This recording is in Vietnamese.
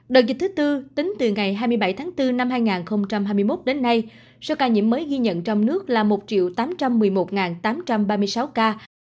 đợt dịch thứ tư tính từ ngày hai mươi bảy tháng bốn năm hai nghìn hai mươi một đến nay số ca nhiễm mới ghi nhận trong nước là một tám trăm một mươi một tám trăm ba mươi sáu ca